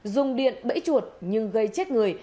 dùng điện bẫy chuột nhưng gây chết người